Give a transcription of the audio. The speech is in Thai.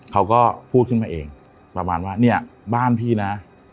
เขาก็พูดขึ้นมาเองประมาณว่าเนี่ยบ้านพี่นะ